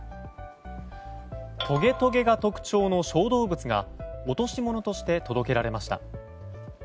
トゲトゲが特徴の小動物が落とし物として届けられました。